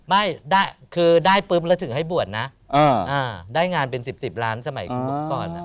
ไม่ได้คือได้ปุ๊บแล้วถึงให้บวชนะได้งานเป็น๑๐ล้านสมัยก่อน